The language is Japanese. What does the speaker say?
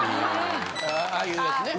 ああいうやつね。